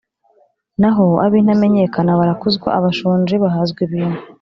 naho abintamenyekana barakuzwa, abashonji bahazwa ibintu